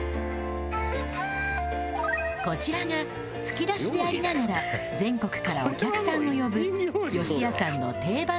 こちらがつきだしでありながら全国からお客さんを呼ぶ余志屋さんの定番つきだし